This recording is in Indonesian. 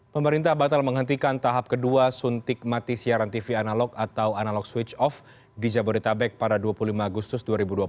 pemerintah batal menghentikan tahap kedua suntik mati siaran tv analog atau analog switch off di jabodetabek pada dua puluh lima agustus dua ribu dua puluh